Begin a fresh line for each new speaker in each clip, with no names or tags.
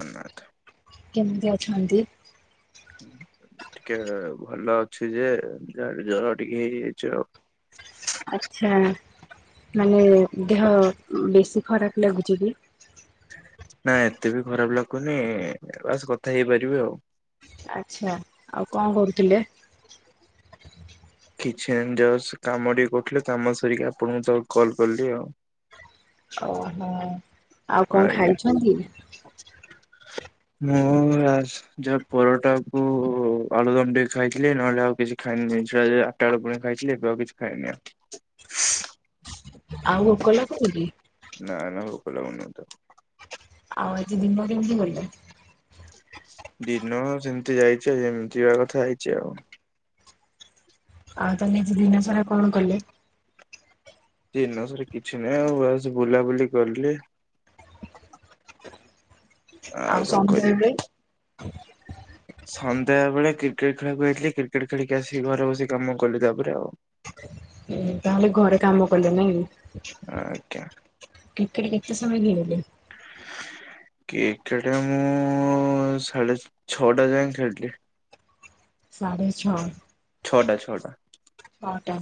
ଜଗନ୍ନାଥ
କେମିତି ଅଛନ୍ତି।
ଟିକେ ଭଲ ଅଛି ଯେ ଜର ଟିକେ ହେଇଯାଇଛି ଆଉ।
ଆଛା ମାନେ ଦେହ ବେଶୀ ଖରାପ ଲାଗୁଛି କି।
ନା ଏତେ ବି ଖରାପ ଲାଗୁନି ବାସ୍ କଥା ହେଇପାରିବି ଆଉ।
ଆଛା ଆଉ କଣ କରୁଥିଲେ।
କିଛି ଏମିତି ଯଷ୍ଟ୍ କାମ ଟିକେ କରୁଥିଲେ କାମ ସାରିକି ଆପଣଙ୍କୁ ତ କଲ୍ କଲି ଆଉ।
ଓହୋ ଆଉ କଣ
ଆଜ୍ଞା
ଖାଇଛନ୍ତି।
ମୁଁ ଆଯ। ଯାହା ପରଟାକୁ ଆଳୁଦମ୍ ଟିକେ ଖାଇଥିଲି ନହେଲେ ଆଉ କିଛି ଖାଇନି ଇଛା ହେଲା। ସକାଳୁ ପୁଣି ଖାଇଥିଲି ଏବେ ଆଉ କିଛି ଖାଇନି ଆଉ।
ଆଉ ଭୋକ ଲାଗୁନି କି।
ନା ନା ଭୋକ ଲାଗୁନି ମତେ।
ଆଉ ଆଜି ଦିନ କେମିତି ଗଲା।
ଦିନ ସେମିତି ଯାଇଛି ଯେମିତିି ଯିବା କଥା ଯାଇଛି ଆଉ।
ଆଉ ତମେ ଆଜି ଦିନ ସାରା କଣ କଲେ?
ଦିନ ସାରା କିଛି ନାହିଁ ଆଉ ବାସ ବୁଲାବୁଲି କଲି।
ଆଉ
କଣ
ସନ୍ଧ୍ୟା
କରିବି।
ବେଳେ।
ସନ୍ଧ୍ୟା ବେଳେ କ୍ରିକେଟ ଖେଳିବାକୁ ଯାଇଥିଲି କ୍ରିକେଟ ଖେଳିକି ଆସିକି ଘରେ ବସିି କାମ କଲି ତାପରେ ଆଉ।
ଉଁ ହୁଁ ତାହେଲେ ଘରେ କାମ କଲେ ନାଇଁ।
ଆଜ୍ଞା
କ୍ରିକେଟ କେତେ ସମୟ ଖେଳିଲେ?
କିକେଟେ ମୁଁ ସାଢେ ଛଅଟା ଯାଏଁ ଖେଳିଲି।
ସାଢ଼େ ଛଅ।
ଛଅଟା ଛଅଟା।
ଛଅଟା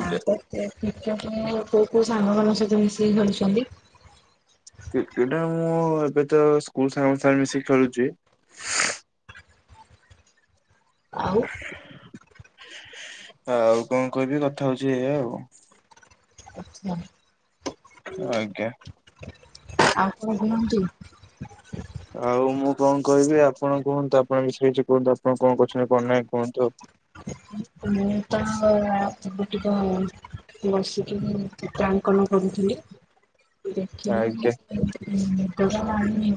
ଆଁ ତ। ସେ କ୍ରିକେଟେ କୋଉ କୋଉ ସାଙ୍ଗମାନଙ୍କ ସହିତ ମିଶିକି ଖେଳୁଛନ୍ତି?
କ୍ରିକେଟ ମୁଁ ଏବେ ତ ସ୍କୁଲ ସାଙ୍ଗ ସାଙ୍ଗେ ମିଶିକି ଖେଳୁଛି।
ଆଉ।
ଆଉ କଣ କହିବି? କଥା ହଉଛି ଏଇଆ ଆଉ।
ଆଚ୍ଛା।
ଆଜ୍ଞା।
ଆଉ କଣ କୁହନ୍ତୁ?
ଆଉ ମୁଁ କଣ କହିବି ଆପଣ କୁହନ୍ତୁ ଆପଣ ବିଷୟରେ କିଛି କୁହନ୍ତୁ ଆପଣ କଣ କରୁଛନ୍ତି କଣ ନାଇଁ କୁହନ୍ତୁ? ଉଁ।
ମୁଁ ତ ଏବେ ଟିକ। ବସିକି ଚିତ୍ରାଙ୍କନ କରୁଥିଲି। ଦେଖିନି
ଆଜ୍ଞା
ନିଦ ନି-ନିଦ ଟା ଲାଗୁନି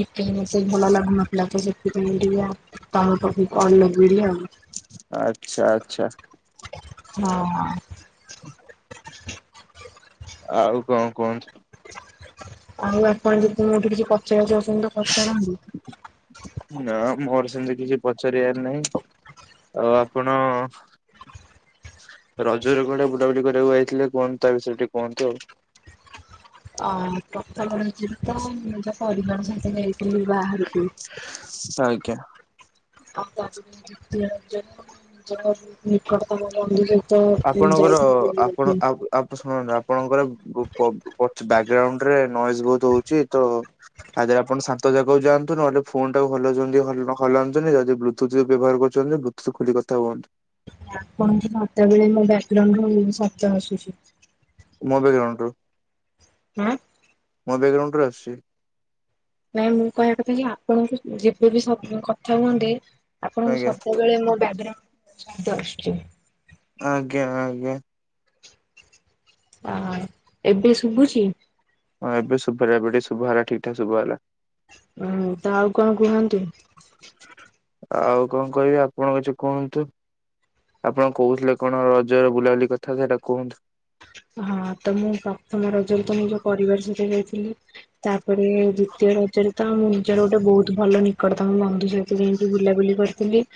ଟିକେ ମତେ ଭଲ ଲାଗୁ ନ ଲା ତ ସେଥିପାଇଁ ଟିକେ ଆ ତମ ପାଖକୁ କଲ ଲଗେଇଲି ଆଉ।
ଆଚ୍ଛା ଆଚ୍ଛା।
ହଁ।
ଆଉ କଣ କୁହନ୍ତୁ?
ଆଉ ଆପଣ ଯଦି ମୋ ଠୁ କିଛି ପଚାରିବାକୁ ଚାହୁଁଛନ୍ତି ତ ପଚାରନ୍ତୁ।
ନା ମୋର ସେମିତି କିଛି ପଚାରିବାର ନାହିଁ। ଆଉ ଆପଣ। ରଜରେ କୁଆଡେ ବୁଲାବୁଲି କରିବାକୁ ଯାଇଥିଲେ କୁହନ୍ତୁ ତା ବିଷୟରେ ଟିକେ କୁହନ୍ତୁ ଆଉ?
ଅ ପ୍ରଥମ ରଜ ରେ ତ ମୁଁ ଯା ପରିବାର ସହିତ ଯାଇଥିଲି ବାହାରୁକୁ।
ଆଜ୍ଞା।
ଆଉ ତା ଦିନେ ଦ୍ଵିତୀୟ ରଜରେ ନିଜର ନି-ନିକଟତମ ମନ୍ଦିର।
ଆପଣଙ୍କର ଆପଣ ଆଉ ଆ ଶୁଣନ୍ତୁ ଆପଣଙ୍କର ବ ପ-ପଛ ଵ୍ୟାଗ୍ରାଉଣ୍ଡରେ ନଏଜ ବହୁତ ହଉଛି ତ। ଆଗେ ଆପଣ ଶାନ୍ତ ଜାଗାକୁ ଯାଆନ୍ତୁ ନହଲେ ଫୋନଟାକୁ ହଲଉଛନ୍ତି ହଲୁନ ହଲାନ୍ତୁନି ଯଦି ବ୍ଲୁଟୁଥ ବ୍ୟବହାର କରୁଛନ୍ତି ବ୍ଲୁ ଖୋଲି କଥା ହୁଅନ୍ତୁ।
କଣ କି ମତେ ବି ମୋ ବ୍ୟାଗ୍ରାଉଣ୍ଡ ଶବ୍ଦ ଆସୁଛି।
ମୋ ଵ୍ୟାଗ୍ରାଉଣ୍ଡ ରୁ।
ଆଁ।
ମୋ ବ୍ୟାଗ୍ରାଉଣ୍ଡ ରୁ ଆସୁଛି।
ନାଇଁ ମୁଁ କହିବା କଥା ଯେ ଆପଣଙ୍କୁ ଯେବେ ବି ଶବ କଥା ହୁଅନ୍ତି। ଆପଣଙ୍କୁ
ଆଜ୍ଞା
ସବୁବେଳେ ମୋ ବ୍ୟାଗ୍ରାଉଣ୍ଡ ଶବ୍ଦ ଆସୁଛି।
ଆଜ୍ଞା ଆଜ୍ଞା।
ୱାଓ ଏବେ ଶୁଭୁଛି।
ହଁ ଏବେ ଶୁଭା [unintelligible] ଶୁଭା ହେଲା ଠିକ ଠାକ ଶୁଭା ହେଲା।
ହୁଁ ତ ଆଉ କଣ କୁହନ୍ତୁ?
ଆଉ କଣ କହିବି ଆପଣ କିଛି କୁହନ୍ତୁ? ଆପଣ କହୁଥିଲେ କଣ ରଜର ବୁଲାବୁଲି କଥା ସେଟା କୁହନ୍ତୁ।
ହଁ ତ ମୁଁ ପ୍ରଥମ ରଜରେ ତ ନିଜ ପରିବାର ସହିତ ଯାଇଥିଲି। ତାପରେ ଦ୍ଵିତୀୟ ରଜରେ ତ ଆମ ନିଜର ଗୋଟେ ବହୁତ ଭଲ ନି ନିକଟତମ ବନ୍ଧୁ ସହିତ ଯାଇକି ବୁଲାବୁଲି କରିଥିଲି।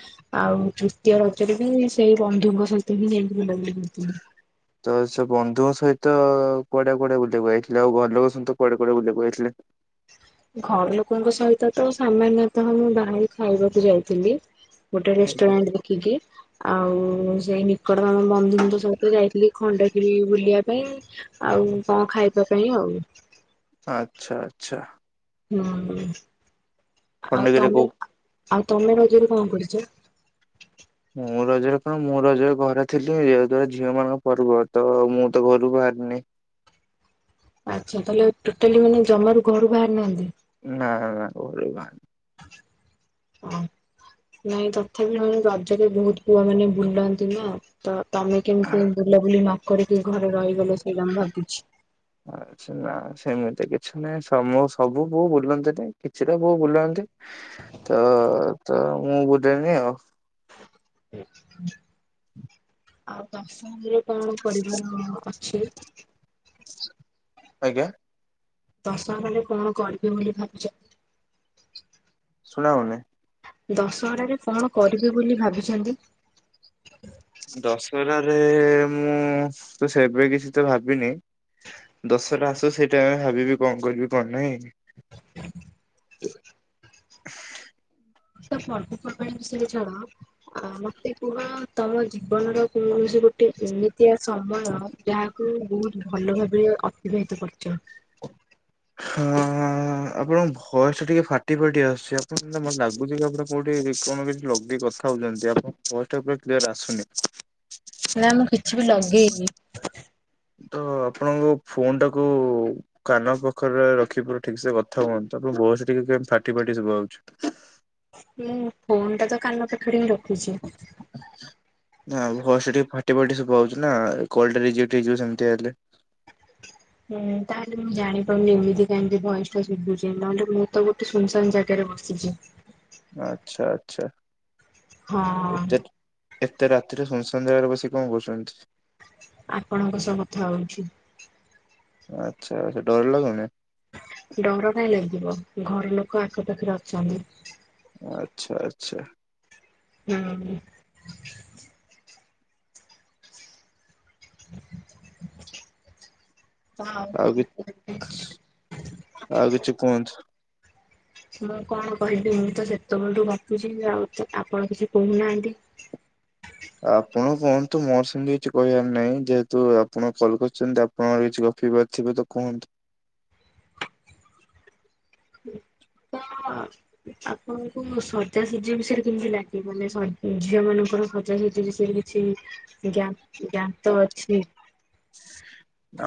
ଆଉ ତୃତୀୟ ରଜରେ ବି ସେଇ ବନ୍ଧୁଙ୍କ ସହିତ ହିଁ ଯାଇକି [unintelligible]
ତ ସେ ବନ୍ଧୁଙ୍କ ସହିତ କୁଆଡେ କୁଆଡ଼େ ବୁଲିବାକୁ ଯାଇଥିଲେ, ଆଉ ଘର ଲୋକ ସହିତ କୁଆଡେ କୁଆଡେ ବୁଲିବାକୁ ଯାଇଥିଲେ।
ଘର ଲୋକଙ୍କ ସହିତ ତ ସାମାନ୍ୟତଃ ମୁଁ ବାହାରେ ଖାଇବାକୁ ଯାଇଥିଲି। ଗୋଟେ ରେଷ୍ଟୁରାଣ୍ଟ ଦେଖିକି, ଆଉ ସେଇ ନିକଟତମ ବନ୍ଧୁଙ୍କ ସହିତ ଯାଇ ଖଣ୍ଡଗିରି ବୁଲିବା ପାଇଁ, ଆଉ କଣ ଖାଇବା ପାଇଁ ଆଉ।
ଆଛା ଆଚ୍ଛା।
ହୁଁ ଆଉ
ଖଣ୍ଡଗିରି କୋଉ
ତମେ ଆଉ ତମେ ରଜରେ କଣ କରୁଛ?
ମୁଁ ରଜରେ କଣ ମୁଁ ରଜରେ ଘରେ ଥିଲି ଯୋଉ ଦ୍ୱାରା ଝିଅ ମାନଙ୍କ ପର୍ବ ତ ମୁଁ ତ ଘରୁକୁ ବାହାରିନି।
ଆଚ୍ଛା ତାହେଲେ ଟୋଟାଲି ମାନେ ଜମାରୁ ଘରୁ ବାହାରି ନାହାନ୍ତି।
ନା ନା ଘରୁ ବାହାରିନି।
ହଁ। ନାଇଁ ତଥାପି ନ ରଜରେ ବହୁତ ପୁଅ ମାନେ ବୁଲନ୍ତି ନା। ତ ତମେ କେମିତି ବୁଲାବୁଲି ନ କରିକି ଘରେ ରହିଗଲେ ସେଇଟା ମୁ ଭାବୁଛି।
ହଁ। ନା ସେମିତି କିଛି ନାହିଁ, ମୋ ସବୁ ପୁଅ ବୁଲନ୍ତି ନାଇ କିଛିଟା ପୁଅ ବୁଲନ୍ତି। ତ ତ ମୁଁ ବୁଲେନି ଆଉ।
ଆଉ ଦଶମ ପରେ କଣ କରିବାର ଅଛି?
ଆଜ୍ଞା?
ଦଶମ ପରେ କଣ କରିବ ବୋଲି ଭାବୁଛ?
ଶୁଣାହଉନି।
ଦଶହରାରେ କଣ କରିବ ବୋଲି ଭାବିଛନ୍ତି?
ଦଶହରାରେ ମୁଁ ତ ସେବେ କିଛି ତ ଭାବିନି। ଦଶହରା ଆସୁ ସେଇ ଟାଇମ ରେ ଭାବିବି କଣ କରିବି କଣ ନାହିଁ।
ତମେ ପର୍ଵ ପର୍ବାଣୀ ବିଷୟ ରେ ଛାଡ। ଆ ମତେ କୁହ ତମ ଜୀବନର କୌଣସି ଗୋଟେ ଗୋଟେ ଏମିତିଆ ସମୟ ଯାହାକୁ ବହୁତ ଭଲ ଭାରେ ଅତିବାହିତ କରୁଛ।
ହଁ ହଁ ଆପଣଙ୍କ ଭୟସ ଟିକେ ଫାଟି ଫାଟି ଆସୁଛି, ଆପଣ ମତେ ଲାଗୁଛି କି ଆପଣ କୋଉଠି କଣ କିଛି ଲଗେଇ କଥା ହଉଛନ୍ତି, ଆପଣଙ୍କ ଭଏସ ଟା ପୁରା କ୍ଲିୟର ଆସୁନି।
ନା ମୁଁ କିଛି ବି
ହୁଁ [inaudible]
ଲଗେଇନି
ତ ଆପଣଙ୍କ ଫୋନ୍ ଟାକୁ କାନ ପ ପାଖରେ ରଖି ପୁରା ଠିକ ସେ କଥା ହୁଅନ୍ତୁ, ଆପଣଙ୍କ ଭଏସ ଟା ଟିକେ କେ ଫାଟି ଫାଟି ଶୁଭା ହଉଚି।
ହୁଁ ଫୋନ୍ ଟା ତ କାନ ପାଖରେ ହିଁ ରଖିଛି।
ନା ଭଏସ୍ ଟା ଟିକେ ଫାଟି ଫାଟି ସୁଭାଯାଉଛି ନା କଲ୍ଟା ରିଜେକ୍ଟ ହେଇଯିବ ସେମିତି ହେଲେ।
ହୁଁ ତାହେଲେ ମୁଁ ଜାଣିପାରୁନି ଏମିତି କାହିଁକି ଭଏସ୍ ଟା ଶୁଭୁଛି ନହେଲେ ମୁଁ ତ ଗୋଟେ ସୁନସାନ ଜାଗାରେ ବସିଛି। ସିଚି।
ଆଚ୍ଛା ଆଚ୍ଛା
ହଁ
ଏତେ ଏତେ ରାତିରେ ଶୁନଶାନ ଜାଗାରେ ବସିିକ କଣ କରୁଛନ୍ତି?
ଆପଣଙ୍କ ସହ କଥା ହଉଛି।
ଆଚ୍ଛା ଆଚ୍ଛା ଡରଲାଗୁନି?
ଡର କାଇଁ ଲାଗିବ, ଘର ଲୋକ ଆଖପାଖରେ ଅଛନ୍ତି।
ଆଚ୍ଛା ଆଚ୍ଛା।
ହୁଁ।
ଆଉ କିଛି
[unintelligible]
ଆଉ କିଛି କୁହନ୍ତୁ।
ମୁଁ କଣ କହିବି ମୁଁ ତ ସେତେବେଳଠୁ ଗପୁଛି ଆଉ ଆପଣ କିଛି କହୁନାହାନ୍ତି।
ଆପଣ କୁହନ୍ତୁ ମୋର ସେମିତି କିଛି କହିବାର ନାହିଁ ଯେହେତୁ ଆପଣ କଲ୍ କରିଛନ୍ତି। କଣ କିଛି ଗପିବାର ଥିବତ କୁହନ୍ତୁ?
[unintelligible] ଆପଣଙ୍କୁ ସଜାସଜି ବିଷୟରେ କେମିତି ଲାଗେ ମାନେ ସ ଝିଅ ମାନଙ୍କର ସଜାସଜି ବିଷୟରେ କିଛି ଜ୍ଞା ଜ୍ଞାତ ଅଛି?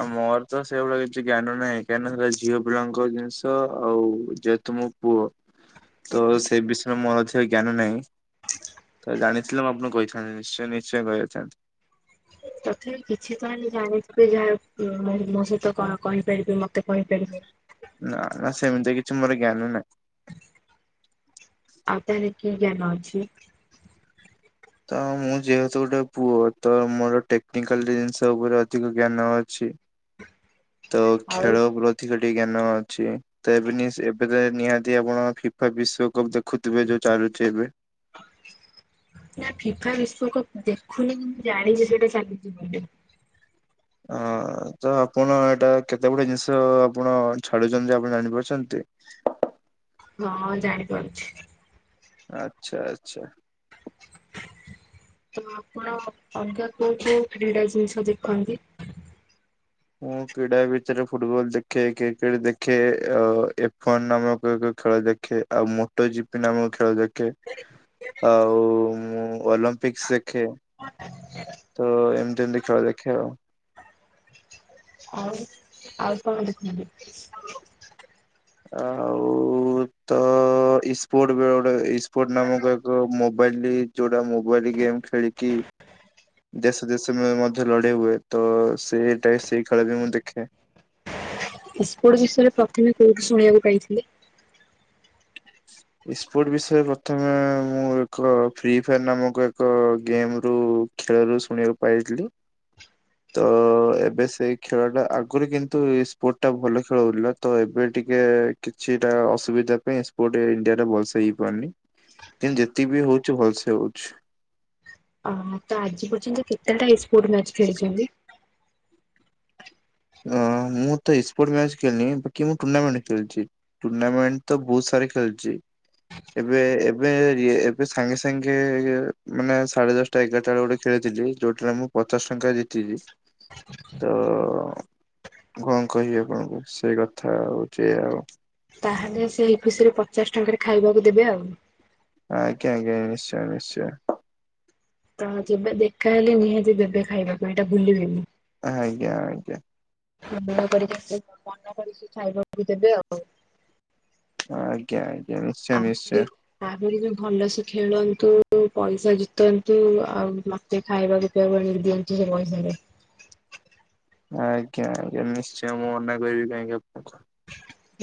ଆଁ ମୋରତ ସେଇଭଳିଆ କିଛି ଜ୍ଞାନ ନାହିଁ କାହିଁକି ନା ସେରା ଝିଅ ପିଲାଙ୍କ ଜିନିଷ ଆଉ ତ ମୁଁ ପୁଅ ତସେ ବିଷୟରେ ମୋର ଅଧିକ ଜ୍ଞାନ ନାହିଁ ତଜାଣି ଥିଲେ ଆପଣଙ୍କୁ କହିଥାନ୍ତି ନିଶ୍ଚୟ ନିଶ୍ଚୟ କହିଦେଇ ଥାନ୍ତି।
ତଥାପି କିଛିତ ହଲେ ଜାଣିଥିବେ ଯାହା ମ ମୋସହିତ କଣ କହିପାରିବି ମତେ କହିପାରିବେ?
ନା ନା ସେମିତି କିଛି ମୋର ଜ୍ଞାନ ନାହିଁ।
ଆଉ ତାହଲେ କିଜ୍ଞାନ ଅଛି?
ତ ମୁଁ ଯେହେତୁ ଗୋଟେ ପୁଅ ତ ମୋର ଟେକ୍ନିକାଲ୍ ଜିନିଷ ଉପରେ ଅଧିକ ଜ୍ଞାନ ଅଛି। ତ
ଆଉ
ଖେଳ ପ୍ରତି ଟିକେ ଜ୍ଞାନ ଅଛି ତଏବେ ନିଆସି ଏବେତ ନିହାତି ଆପଣ ଫିଫା ବିଶ୍ବକପ୍ ଦେଖିଥିବେ ଯୋଉ ଚାଲୁଚି ଏବେ?
ନା ଫିଫା ବିଶ୍ୱକପ୍ ଦେଖୁନି କିନ୍ତୁ ଜାଣିଚି ସେଇଟା ଚାଲିଚି ବୋଲି।
ହଁ। ତ ଆପଣ ଏଇଟା କେତେ ବଡ଼ ଜିନିଷ ଆପଣ ଛାଡ଼ୁଚନ୍ତି ଆପଣ ଜାଣିପାରୁଚନ୍ତି?
ହଁ ଜାଣିପାରୁଛି।
ଆଚ୍ଛା ଆଚ୍ଛା।
ତ ଆପଣ ଅଲଗା କୋଉ କୋଉ କ୍ରୀଡ଼ା ଜିନିଷ ଦେଖନ୍ତି?
ମୁଁ କ୍ରୀଡ଼ା ଭିତରେ ଫୁଟବଲ୍ ଦେଖେ କ୍ରିକେଟ୍ ଦେଖେ ଏଫନ୍ ନାମକ ଏକ ଖେଳ ଦେ ଖେ ଆଉ ମୋଟ ଜିପିିନାମ ଖେଳ ଦେଖେ। ଆଉ ମୁଁ ଅଲମ୍ପିକ୍ସ ଦେଖେ। ତ ଏମିତି ଏମିତି ଖେଳ ଦେଖେ ଆଉ।
ଆଉ? ଆଉ କଣ ଦେଖୁଚନ୍ତି?
ଆଉ ତ ଅଁ ଇସ୍ପୋର୍ଟବେ ଗୋଟେ ଇସ୍ପୋର୍ଟ ନାମକ ଏକ ମୋବାଇଲ୍ ଯୋଉଟା ମୋବାଇଲ୍ ଗେମ୍ ଖେଳି କି ଦେଶ ଦେଶ ମୟ ମଧ୍ୟ ଲଢେଇ ହୁଏ ତ ସେଇଟା ସେଇ ଖେଳବି ମୁଁ ଦେଖେ।
ଇସ୍ପୋର୍ଟ ବିଷୟରେ ପ୍ରଥମେ କୋଉଠୁ ଶୁଣିବାକୁ ପାଇଥିଲେ?
ଇସ୍ପୋର୍ଟ ବିଷୟରେ ପ୍ରଥମେ ମୁଁ ଏକ ଫ୍ରି ଫାୟାର୍ ନାମକ ଏକ ଗେମ୍ ରୁ ଖେଳରୁ ଶୁଣିବାକୁ ପାଇଥିଲି। ତଏବେ ସେଇ ଖେଳଟା ଆଗରୁ କିନ୍ତୁ ଇସ୍ପୋର୍ଟ ଭଲ ଖେଳ ହେଉଥିଲା ତଏବେ ଟିକେ କିଛିଟା ଅସୁବିଧା ପାଇଁ ଇ ସ୍ପୋର୍ଟ ଇଣ୍ଡିଆରେ ଭଲସେ ହେଇପାରୁନି କିନ୍ତୁ ଯେତିକିବି ହଉଚି ଭଲସେ ହଉଛି।
ତଆଜି ପର୍ଯ୍ୟନ୍ତ କେତେଟା ଏସ୍ପୋର୍ଟ ମ୍ୟାଚ୍ ଖେଳିଚନ୍ତି?
ଅଁ ମୁଁତ ଏସ୍ପୋର୍ଟ ମ୍ୟାଚ୍ ଖେଳିନି ବାକି ମୁଁ ଟୁର୍ଣ୍ଣାମେଣ୍ଟ ଖେଳିଚି। ଟୁର୍ଣ୍ଣାମେଣ୍ଟତ ବହୁତ୍ ସାରି ଖେଳିଚି। ଏବେ ଏବେ ଏବେ ସାଙ୍ଗେ ସାଙ୍ଗେ ମାନେ ସାଢେ ଦଶ ଟା ଏଗାରଟା ବେଳେ ଗୋଟେ ଖେଳ ଜିତିଲି ଯୋଉଟାରେ ମୁଁ ପଚାଶେ ଟଙ୍କା ଜିତିଚି ତ କଣ କହିବି ଆପଣଙ୍କୁ ସେଇ କଥା ହଉଚି ଏଆଉ।
ତାହେଲେ ସେଇ ଖୁସିରେ ପଚାଶେ ଟଙ୍କାରେ ଖାଇବାକୁ ଦେବେ ଆଉ।
ଆଜ୍ଞା ଆଜ୍ଞା ନିଶ୍ଚୟ ନିଶ୍ଚୟ।
ତ ଯେବେ ଦେଖାହଲେ ନିହାତି ଦେବେ ଖାଇବାପାଇଁ ଏଟା ଭୁଲିବେନି?
ଆଜ୍ଞା ଆଜ୍ଞା।
ମନେ କରିକି ମନେ କରିକି ଖାଇବାକୁ ଦେବେ ଆଉ।
ଆଜ୍ଞା ଆଜ୍ଞା ନିଶ୍ଚୟ ନିଶ୍ଚୟ।
ଆହୁରିବି ଭଲସେ ଖେଳନ୍ତୁ ପଇସା ଜିତନ୍ତୁ ଆଉ ମ ତେ ଖାଇବାକୁ ପିଇବାକୁ ଆଣିକି ଦିଅନ୍ତୁ ସେପଇସାରେ।
ଆଜ୍ଞା ଆଜ୍ଞା ନିଶ୍ଚୟ ମୁଁ ମନା କରିବି କାହିଁକି ଆପଣଙ୍କୁ।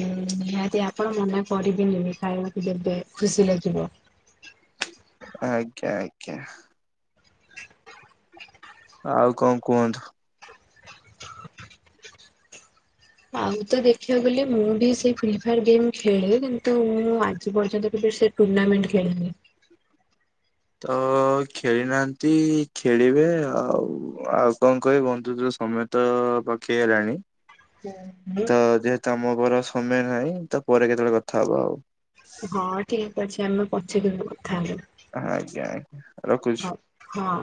ହୁଁ ନିହାତି ଆପଣ ମନାକରିବେନି ଖାଇବାକୁ ଦେବେ ଖୁସି ଲାଗିବ।
ଆଜ୍ଞା ଆଜ୍ଞା ଆଉ କଣ କୁହନ୍ତୁ?
ଆଉ ତ ଦେଖିବାକୁ ଗଲେ ମୁଁ ବି ସେଇ ଫ୍ରି ଫାୟାର ଗେମ୍ ଖେଳେ କିନ୍ତୁ ମୁଁ ଆଜି ପର୍ଯ୍ୟନ୍ତ କେବେ ସେ। ଟୁର୍ଣ୍ନାମେଣ୍ଟ ଖେଳିନି।
ତ ଖେଳି ନାହାନ୍ତି ଖେଳିବେ ଆଉ ଆଉ କଣ କହି ବନ୍ଧୁତ ସମ। ତ ପାଖେଇ ଆଇଲାଣି।
ମୁଁ
ତ ଯେହେତୁ ଆମଘର ସମୟ ନାହିଁ। ତ ପରେ କେତେବେଳେ କଥା ହବା ଆଉ।
ହଁ ଠିକ ଅଛି। ଆମେ ପଛେ କେବେ କଥା ହେବା।
ହଁ ଆଜ୍ଞା ଆଜ୍ଞା ରଖୁଛି।
ହଉ ହଁ।